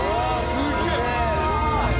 すげえ！